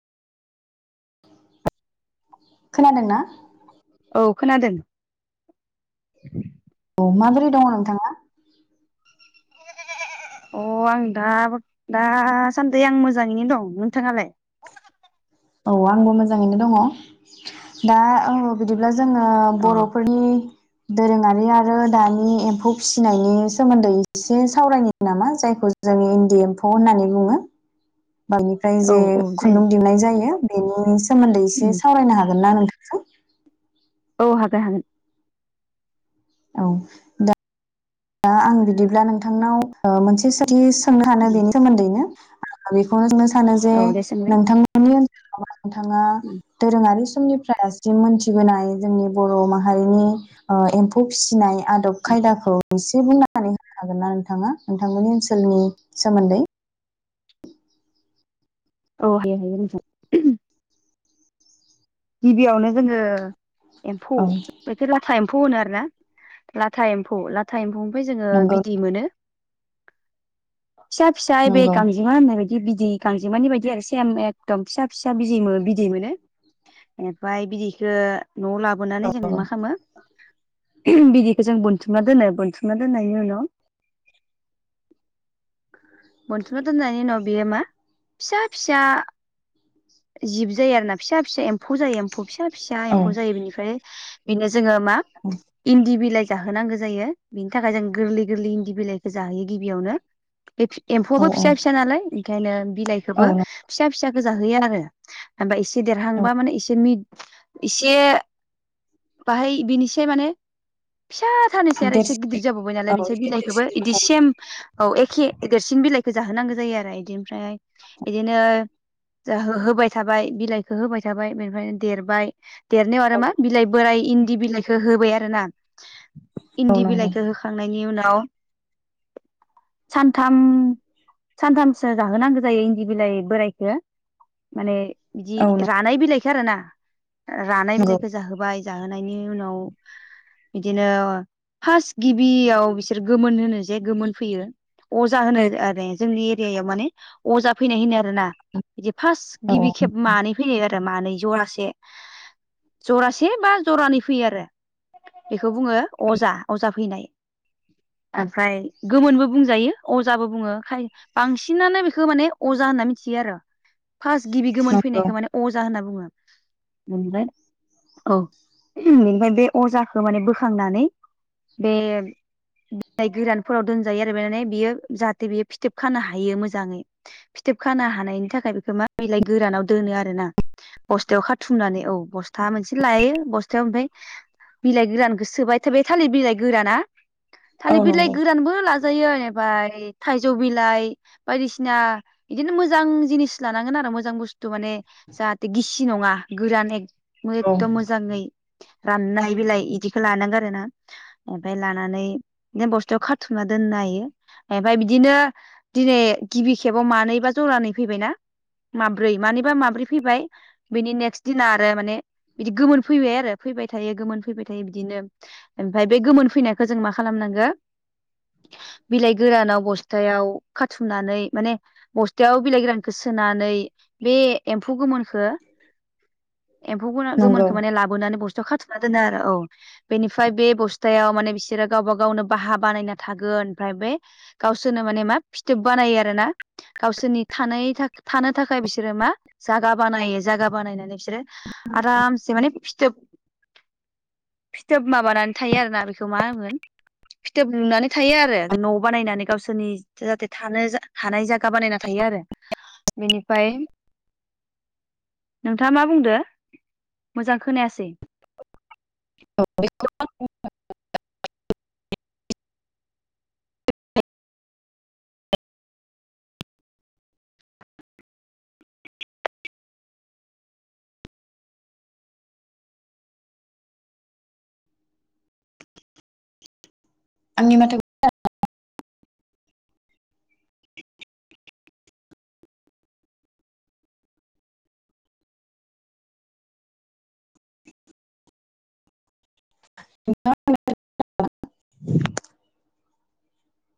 खोनादोंना? औ खोनादों औ माबोरै दङ नोंथाङा अ आं दा दासान्दि आं मोजाङैनो दं नोंथाङालाय? औ आंबो मोजाङैनो दङ दा औ बिदिब्ला जो जोङो अ बर'फोरनि दोरोङारि आरो दानि एम्फौ फिसिनायनि सोमोन्दै एसे सावरायनो नामा जायखौ जोंनि इन्दि एम्फौ होननानै बुङो बांद्राय औ जे औ जायो खुन्दुं दिहनाय जायो बेनि सोमोन्दै एसे उम सावरायनो हागोन ना नोंथांजों? औ हागोन हागोन। औ दा दा आं बिदिब्ला नोंथांनाव ओ मोनसे सोंथि सों सोंनो हानो उम बेनि सोमोन्दैनो [unintelligible] सानो जे औ दे सोंलाय नोंथांनि ओनसोलाव नोंथाङा उम दोरोङारि सु समनिफ्रायसिम मोनथिबोनाय जोंनि बर' माहारिनि ओ एम्फौ फिसिनाय आदब खायदाखौ एसे बुंनानै होनो हागोन ना नोंथाङा नोंथांमोननि ओनसोलनि सोमोन्दै? औ हायो [unintelligible] गिबियावनो जोङो एम्फौ औ बैखो लाथा एम्फ एम्फौ होनो आरोना लाथा एम्फौ लाथा एम्फौ ओमफाय जोङो नंगौ बिदै मोनो। फिसा फिसा एइबे नंगौ गांजेमा होननाय बायदि बिदि गांजेमानि बायदि आरो सेम एकदम फिसा फिसा बिजै-बिदै मोनो। बेनिफ्राय बिदैखो न'आव लाबोनानै जों औ मा खालामो बिदि जों बनथुमना बनथुमना दोननायनि उनाव बोनथुमना दोननायनि उनाव बेयो मा फिसा फिसा जिब जायो आरो ना फिसा फिसा एम्फौ जायो एम्फौ फिसा फिसा औ एम्फौ जायो बिनिफ्राय बिनोस जोङो मा इन्दि बिलाइ जाहोनांगौ जायो बिनि थाखाय जों गोरलै गोरलै इन्दि बिलाइखौ जाहोयो गिबियावनो। बे एम्फौआबो औ फिसा फिसा नालाय ओंखायनो औ बिलाइखौबो औ फिसा फि फिसाखो जाहोयो आरो। बा एसे देरहांबा माने एसे मिद इसे बाहाय बिनिसे माने फिसा थानोसै आरो एसे देरसिन गिदिर जाबोबाय नालाय औ बिसोर एसे बिलाइखोबो देरसिन बिदि सेम औ एखे देरसिन बिलाइखौ जाहोनांगौ जायो आरो इदि आमफ्राय बिदिनो जाहोहोब होबाय थाबाय बिलाइखो होबाय थाबाय बेनिफ्राय देरबाय। देरनायाव आरो औ मा बिलाइ बोराय इन दि बिलाइखो होबाय आरो ना। औ इन्दि नंगौ बिलाइखो होखांनायनि उनाव सानथाम सानथामसो जाहोनांगो जायो इन्दि बिलाइ बोराइखो। माने बिदि औ रानाय बिलाइ आरोना रानाय नंगौ औ नंगौ बिलाइखो जाहोबाय जाहोनायनि उनाव बिदिनो फार्स गिबियाव बिसोर गोमोन होनो जे गोमोन फैयो अजा होनो आरो जोंनि एरियायाव माने अजा फैनाय होनो आरोना बिदि फार्स औ गिबि खेब मानै फैयो आरो मानै जरासे जरासे बा जरानै फैयो आरो बे खौ बुङो अजा, अजा फैनाय। ओमफ्राय गोमोनबो बुंजायो अजाबो बुङो खाय बांसिनानो बेखौ माने अजा होनना मिथियो आरो। फार्स्ट गिबि गोमोन नंगौ फैनायखौ माने अजा होनना बुङो। औ आमफाय बे अजाखौ माने बोखांनानै बे बिलाइ गोरानफोराव दोनजायो आरो माने बियो जाहाथे बे फिथोब खानो हायो मोजाङै फिथोब खानो हानायनि थाखाय बेखौ मा बिलाइ गोरानाव दोनो आरोना बस्थायाव खाथुमनानै औ बस्था मोनसे लायो बस्थायाव ओमफ्राय बिलाइ गोरानखौ सोबाय थाब बे थालिर बिलाइ गोराना थालिर औ बिलाइ नंगौ गोरानबो लाजोब लाजायो एबा थाइजौ बिलाइ बायदिसिना इदिनो मोजां जिनिस आरो मोजां बुथु माने जाहाथे गिसि नङा गोरान औ एखदम मोजाङै राननाय बेलाय बिदि बेखौ लानांगौ आरो ना ओमफफ्राय लानानै बिदिनो बस्थायाव खाथुमना दोननो हायो ओमफफ्राय बिदिनो दिनै गिबि खेबाव मानै बा जरानै फैबायनाा माब्रै मानिबा माब्रै फैबाय बिनि नेक्स्ट दिना आरो माने बिदि गोमोन फैबाय आरो फैबाय थायो गोमोन फैबाय थायो बिदिनो ओमफ्राय बे गोमोन फैनायखौ जों मा खालामनांगो बिलाइ गोरानाव बस्थायाव खाथुमनानै माने बस्थायाव बिलाइ गोरानखौ सो नानै बे एमौ गो एम्फौ नंगौ गोमोनखौ माने लाबोनानै बुस फि खाथ'ना दोनो आरो औ बेनिफ्राय बे बबस्थायाव माने बिसोरो गावबा गावनो बाहा बानायना थागोन ओमफ्राय बे गावसोरनो माने मा फिथोब बानायो आरो ना गावसोरनि थानायनि थाखाय थानो थाखाय बिसोरो मा जागा बानायो जागा बानायनानै बिसोरो आरामसे माने फिथोब फिथोब माबानानै थायो आरो ना बेखौ मा होनोमोन फिथोब लुनानै थायो आरो न' बानायनानै गावसोरनि जाहाथे थानो हानाय जायगा बानायना थायो आरो बेनिफ्राय [inaudible] नोंथाङा मा बुंदो मोजां खोनायासै [inaudible] आंनि माथो [inaudible] [unintelligible]